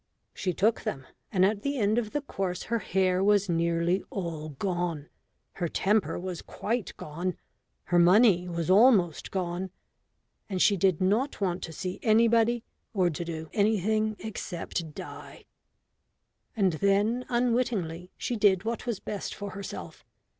She took them; and at the end of the course her hair was nearly all gone, her temper was quite gone, her money was almost gone, and she did not want to see anybody or to do anything except die. And then unwittingly she did what was best for herself.